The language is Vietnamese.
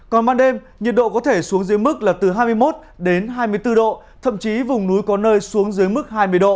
còn ban đêm nhiệt độ có thể xuống dưới mức là từ hai mươi một đến hai mươi bốn độ thậm chí vùng núi có nơi xuống dưới mức